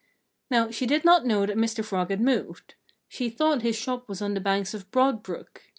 Now, she did not know that Mr. Frog had moved. She thought his shop was on the banks of Broad Brook.